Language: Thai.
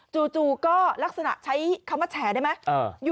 จู่ก็ลักษณะใช้คำว่าแฉได้ไหม